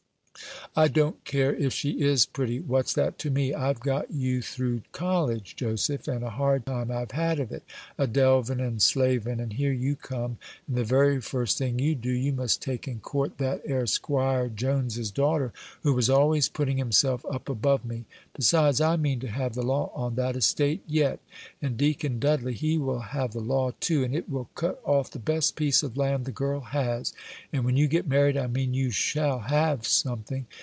"I don't care if she is pretty. What's that to me? I've got you through college, Joseph; and a hard time I've had of it, a delvin' and slavin'; and here you come, and the very first thing you do you must take and court that 'ere 'Squire Jones's daughter, who was always putting himself up above me. Besides, I mean to have the law on that estate yet; and Deacon Dudley, he will have the law, too; and it will cut off the best piece of land the girl has; and when you get married, I mean you shall have something.